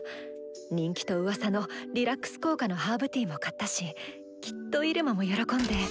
人気とうわさのリラックス効果のハーブティーも買ったしきっとイルマも喜んで。